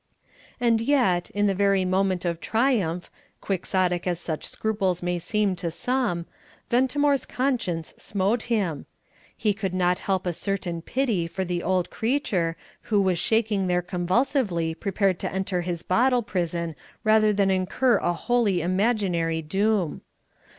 And yet, in the very moment of triumph, quixotic as such scruples may seem to some, Ventimore's conscience smote him. He could not help a certain pity for the old creature, who was shaking there convulsively prepared to re enter his bottle prison rather than incur a wholly imaginary doom.